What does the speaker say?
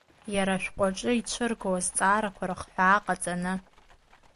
Иара ашәҟәаҿы ицәыргоу азҵаарақәа рыхҳәаа ҟаҵаны.